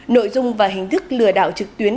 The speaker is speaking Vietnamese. nội dung và hình thức lừa đảo trực tuyến